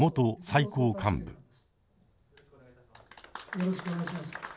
よろしくお願いします。